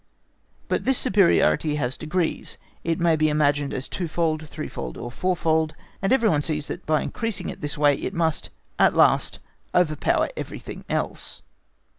But this superiority has degrees, it may be imagined as twofold, threefold or fourfold, and every one sees, that by increasing in this way, it must (at last) overpower everything else.